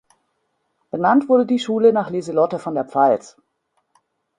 Benannt wurde die Schule nach Liselotte von der Pfalz.